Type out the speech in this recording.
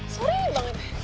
sorry banget ya